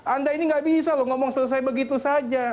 anda ini nggak bisa loh ngomong selesai begitu saja